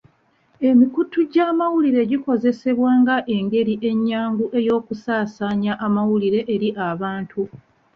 Emikutu gy'amawulire gikozesebwa nga engeri ennyangu ey'okusaasaanya amawulire eri abantu.